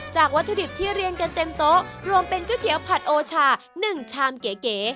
วัตถุดิบที่เรียงกันเต็มโต๊ะรวมเป็นก๋วยเตี๋ยวผัดโอชา๑ชามเก๋